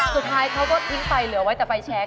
สุดท้ายเขาก็ทิ้งไปเหลือไว้แต่ไฟแชค